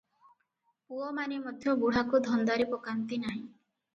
ପୁଅମାନେ ମଧ୍ୟ ବୁଢ଼ାକୁ ଧନ୍ଦାରେ ପକାନ୍ତି ନାହିଁ ।